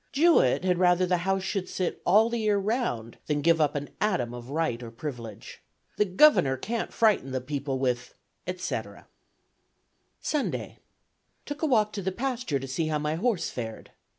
Jewett 'had rather the House should sit all the year round, than give up an atom of right or privilege. The Governor can't frighten the people with, etc.' ... "Sunday. Took a walk to the pasture to see how my horse fared.